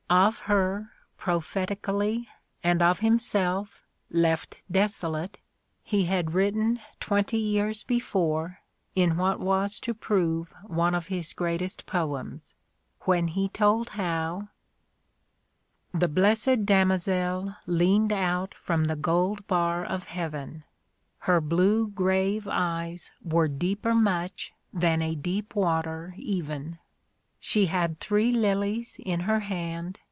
Of her, prophetically, and of himself, left desolate, he had written twenty A DAY WITH ROSSETTI. years before, in what was to prove one of his greatest poems : when he told how — The blessed Damozel leaned out From the gold bar of Heaven : Her blue grave eyes were deeper much Than a deep water, even. She had three lilies in her hand.